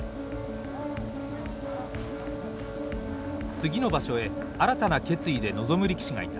次の場所へ新たな決意で臨む力士がいた。